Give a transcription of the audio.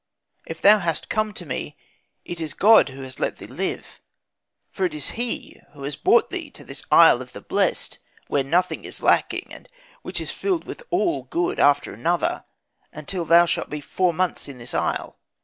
If thou hast come to me, it is God who has let thee live. For it is He who has brought thee to this isle of the blest, where nothing is lacking, and which is filled with all good after another, until thou shalt be four months in this isle.